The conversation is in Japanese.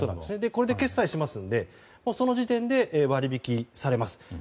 これで決済しますのでその時点で割引されます。